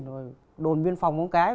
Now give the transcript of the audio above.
rồi đồn viên phòng móng cái